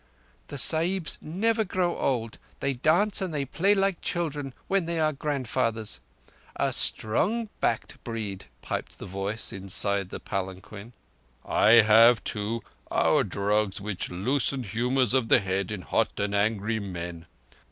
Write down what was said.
"The Sahibs never grow old. They dance and they play like children when they are grandfathers. A strong backed breed," piped the voice inside the palanquin. "I have, too, our drugs which loosen humours of the head in hot and angry men.